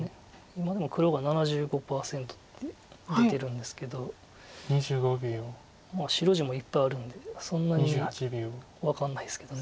今でも黒が７５％って出てるんですけど白地もいっぱいあるのでそんなに分かんないですけど。